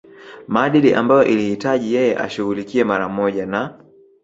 maadili ambayo ilihitaji yeye ashughulikie mara moja na